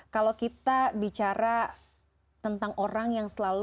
kalau kita bicara tentang orang yang set moviesa